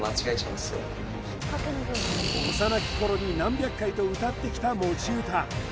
幼き頃に何百回と歌ってきた持ち歌